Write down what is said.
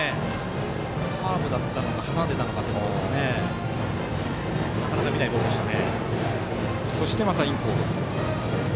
カーブだったのか挟んでいたのかなかなか見ないボールでしたね。